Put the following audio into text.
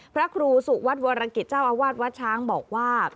พระครูสุวัสดิวรกิจเจ้าอาวาสวัดช้างบอกว่า